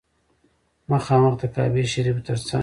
مخامخ د کعبې شریفې تر څنګ.